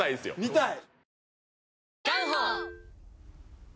見たい！